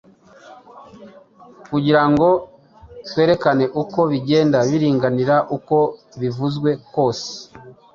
kugira ngo twerekane uko bigenda biringanira, uko bivuzwe kwose.